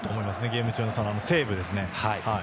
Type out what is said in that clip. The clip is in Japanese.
ゲーム中のセーブですね。